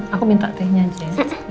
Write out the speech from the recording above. aku minta tehnya aja